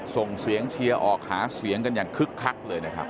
ส่งเสียงเชียร์ออกหาเสียงกันอย่างคึกคักเลยนะครับ